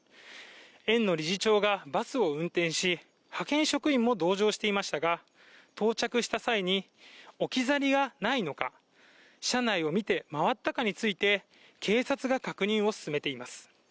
園の理事長がバスを運転し派遣職員も同乗していましたが到着した際に置き去りがないのか、車内を見て回ったのかについて警察が確認を進めています。